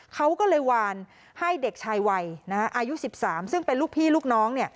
เขาก็เลยวานให้เด็กชายวัยอายุ๑๓ซึ่งเป็นลูกพี่ลูกน้อง